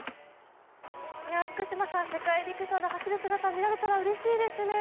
世界陸上で走る姿見られたらうれしいですね。